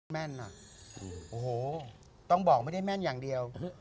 แม่นอ่ะโอ้โหต้องบอกไม่ได้แม่นอย่างเดียว